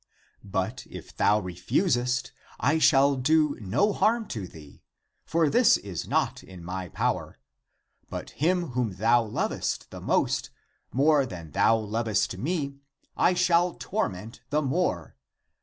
But if thou refusest, I shall do no harm to thee — for this is not in my power; but him whom thou lovest the most, more than thou lovest me, I shall torment the more.